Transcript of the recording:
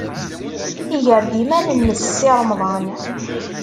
Iger-d iman-nnes Si Remḍan.